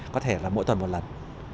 có thể là mỗi tuần một lần